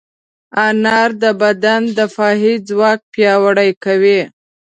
انار د بدن دفاعي ځواک پیاوړی کوي.